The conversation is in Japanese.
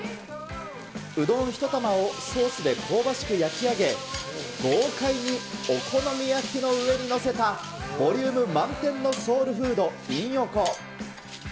うどん１玉をソースで香ばしく焼き上げ、豪快にお好み焼きの上に載せたボリューム満点のソウルフード、いんおこ。